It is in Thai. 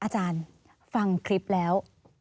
อาจารย์ฟังคลิปแล้ว